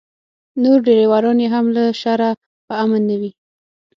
نور ډریوران یې هم له شره په امن نه وي.